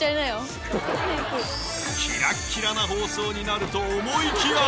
キラキラな放送になると思いきや。